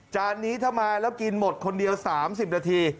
จานนี้ทำไมแล้วกินหมดคนเดียว๓๐นาที